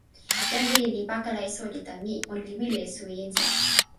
jan lili li pakala e soweli tan ni: ona li wile e suwi insa.